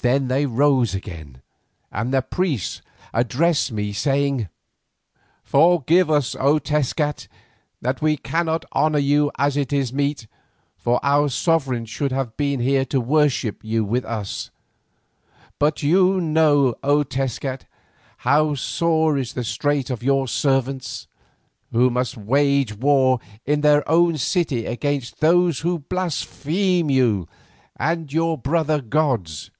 Then they rose again, and the priest addressed me, saying: "Forgive us, O Tezcat, that we cannot honour you as it is meet, for our sovereign should have been here to worship you with us. But you know, O Tezcat, how sore is the strait of your servants, who must wage war in their own city against those who blaspheme you and your brother gods.